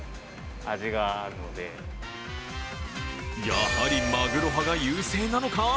やはり、マグロ派が優勢なのか？